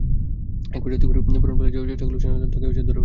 একপর্যায়ে তিমির বরন পালিয়ে যাওয়ার চেষ্টা করলে সেনাসদস্যরা তাঁকে ধরে ফেলেন।